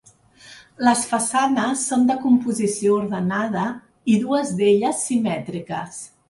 Les façanes són de composició ordenada i dues d'elles simètriques.